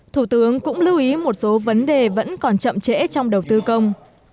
thủ tướng cũng lưu ý một số vấn đề vẫn còn chậm trễ trong đầu tư công